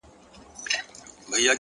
هره ورځ د بدلون نوی امکان لري!.